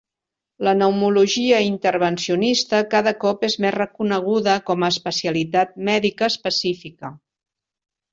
La pneumologia intervencionista cada cop és més reconeguda como a especialitat mèdica específica.